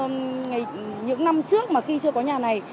những năm trước mà khi chưa có nhà này